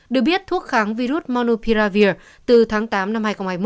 được biết thuốc kháng virus monopiravir từ tháng tám năm hai nghìn hai mươi một